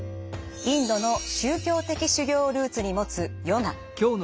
インドの宗教的修行をルーツに持つヨガ。